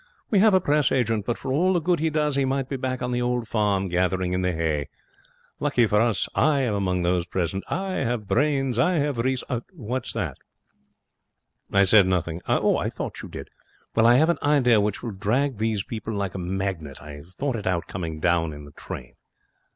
We have a Press agent, but for all the good he does he might be back on the old farm, gathering in the hay. Luckily for us, I am among those present. I have brains, I have resource. What's that?' 'I said nothing.' 'I thought you did. Well, I have an idea which will drag these people like a magnet. I thought it out coming down in the train.'